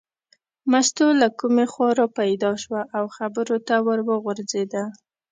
مستو له کومې خوا را پیدا شوه او خبرو ته ور وغورځېده.